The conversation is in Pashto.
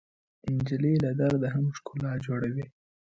نجلۍ له درده هم ښکلا جوړوي.